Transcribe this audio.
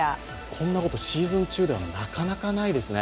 こんなことシーズン中では、なかなかないですね。